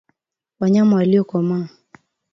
wanyama waliokomaa